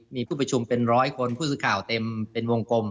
มีผู้ประชุมเป็นร้อยคนผู้สื่อข่าวเต็มเป็นวงกลม